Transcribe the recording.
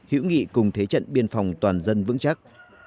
hữu nghị cùng thế trận biên phòng toàn dân vững chắc